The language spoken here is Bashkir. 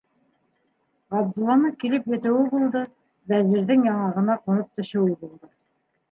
Ғабдулланың килеп етеүе булды, Вәзирҙең яңағына ҡунып төшөүе булды.